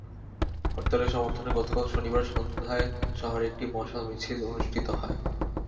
হরতালের সমর্থনে গতকাল শনিবার সন্ধ্যায় শহরে একটি মশাল মিছিল অনুষ্ঠিত হয়।